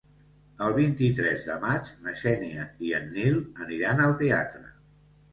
El vint-i-tres de maig na Xènia i en Nil aniran al teatre.